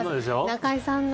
中居さんの。